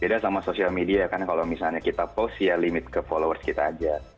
beda sama social media ya kan kalau misalnya kita post ya limit ke followers kita aja